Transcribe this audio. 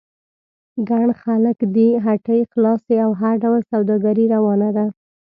ګڼ خلک دي، هټۍ خلاصې او هر ډول سوداګري روانه ده.